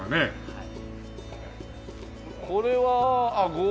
はい。